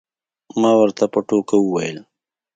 ما ورته په ټوکه وویل.